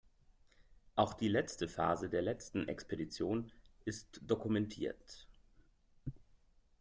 Auch die letzte Phase der letzten Expedition ist dokumentiert.